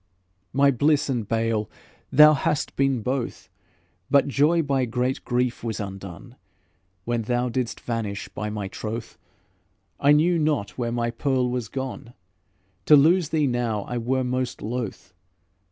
"My bliss and bale, thou hast been both, But joy by great grief was undone; When thou didst vanish, by my troth, I knew not where my Pearl was gone. To lose thee now I were most loth.